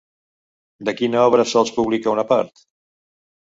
De quina obra sols publica una part?